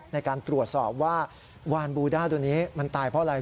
ในการตรวจสอบว่าวานบูด้าตัวนี้มันตายเพราะอะไร